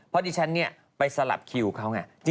เพราะดิฉันเนี่ยไปสลับคิวเขาไง